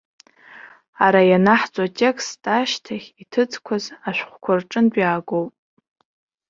Ара ианаҳҵо атекст ашьҭахь иҭыҵқәаз ашәҟәқәа рҿынтә иаагоуп.